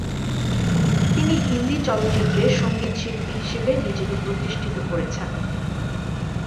তিনি হিন্দি চলচ্চিত্রে সঙ্গীতশিল্পী হিসেবে নিজেকে প্রতিষ্ঠিত করেছেন।